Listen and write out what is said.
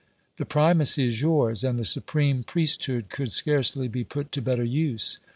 The primacy is yours, and the supreme priesthood could N 194 OBERMANN scarcely be put to better use.